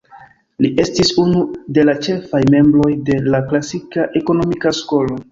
Li estis unu de la ĉefaj membroj de la Klasika ekonomika skolo.